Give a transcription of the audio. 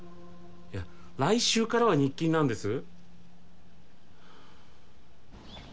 来週からは日勤なんです。